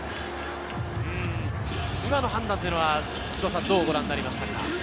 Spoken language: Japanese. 今の判断というのは、どうご覧になりましたか？